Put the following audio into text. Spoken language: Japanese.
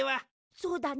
そうだね。